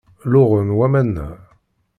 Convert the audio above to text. Luɣen waman-a.